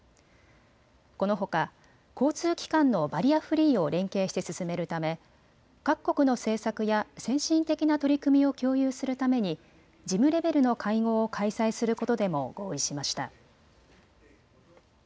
このほか交通機関のバリアフリーを連携して進めるため各国の政策や先進的な取り組みを共有するために事務レベルの会合を開催することでも合意しました。